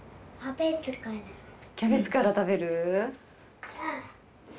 キャベツから食べる？